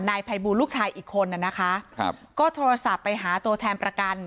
นายภัยบูลลูกชายอีกคนน่ะนะคะครับก็โทรศัพท์ไปหาตัวแทนประกัน